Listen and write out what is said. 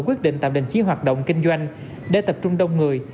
quyết định tạm đình chỉ hoạt động kinh doanh để tập trung đông người